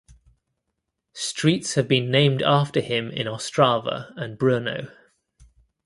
Streets have been named after him in Ostrava and Brno.